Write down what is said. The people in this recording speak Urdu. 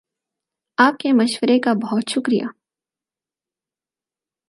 آپ کے مشورے کا بہت شکر یہ